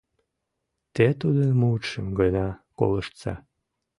Те тудын мутшым гына колыштса.